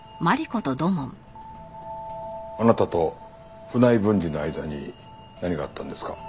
あなたと船井文治の間に何があったんですか？